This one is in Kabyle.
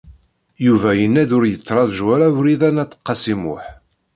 Yuba yenna-d ur yettṛaǧu ara Wrida n At Qasi Muḥ